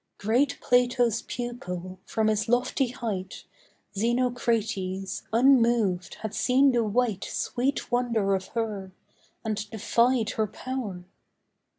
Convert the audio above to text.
Great Plato's pupil, from his lofty height, Zenocrates, unmoved, had seen the white Sweet wonder of her, and defied her power.